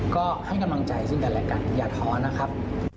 ก็ให้กำลังใจสิ้นแต่ละกันอย่าท้อนะครับ